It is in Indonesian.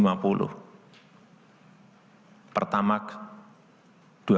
yang lebih luas mengenai desain kita